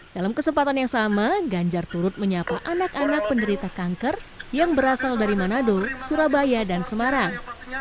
dalam kesempatan yang sama ganjar turut menyapa anak anak penderita kanker yang berasal dari manado surabaya dan semarang